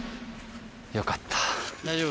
よかった。